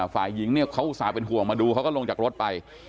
ฝ่ายหญิงเนี่ยเขาอุตส่าห์เป็นห่วงมาดูเขาก็ลงจากรถไป